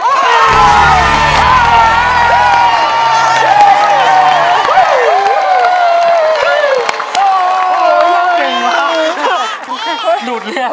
เมื่อไหร่ตกเสียง